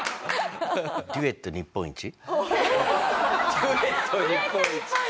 「デュエット日本一」。